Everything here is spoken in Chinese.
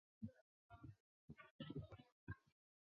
万山区是中国贵州省铜仁市下属的一个市辖区。